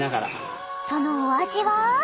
［そのお味は？］